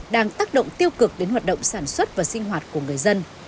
đang tác động tiêu cực đến hoạt động sản xuất và sinh hoạt của người dân